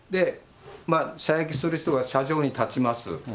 射撃する人が射場に立ちます。